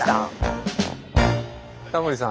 タモリさん